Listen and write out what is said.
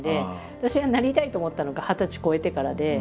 私がなりたいと思ったのが二十歳超えてからで。